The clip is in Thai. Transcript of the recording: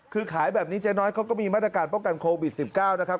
คือขายแบบนี้เจ๊น้อยเขาก็มีมาตรการป้องกันโควิด๑๙นะครับ